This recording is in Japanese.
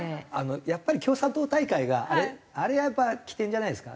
やっぱり共産党大会があれやっぱ起点じゃないですか。